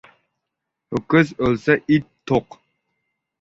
• Ho‘kiz o‘lsa it to‘q.